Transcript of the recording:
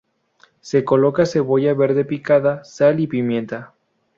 Se coloca cebolla verde picada, sal y pimienta.